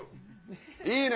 いいね